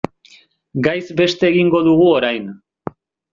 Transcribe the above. Gaiz beste egingo dugu orain.